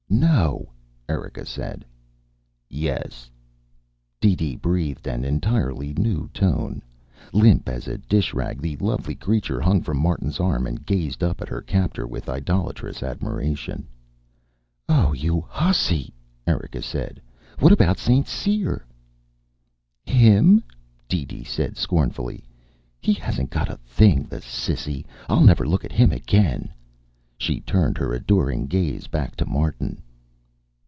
"No!" Erika said. "Yes," DeeDee breathed in an entirely new tone. Limp as a dishrag, the lovely creature hung from Martin's arm and gazed up at her captor with idolatrous admiration. "Oh, you hussy," Erika said. "What about St. Cyr?" "Him," DeeDee said scornfully. "He hasn't got a thing, the sissy. I'll never look at him again." She turned her adoring gaze back to Martin.